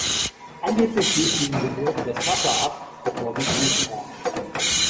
Angeblich ließen die Ingenieure das Wasser ab, bevor die Flut kam.